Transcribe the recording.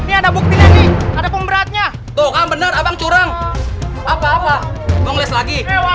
ini ada bukti ada pemberatnya toh bener abang curang apa apa ngeles lagi